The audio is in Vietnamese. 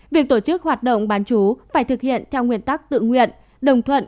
việc tổ chức hoạt động bán chú phải thực hiện theo nguyên tắc tự nguyện